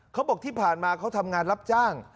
เขาบอกที่ผ่านมาเขาทำงานรับจ้าง